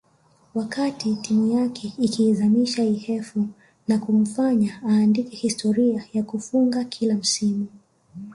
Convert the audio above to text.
wakati timu yake ikiizamisha Ihefu na kumfanya aandike historia ya kufunga kila msimu